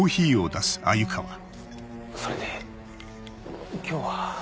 それで今日は？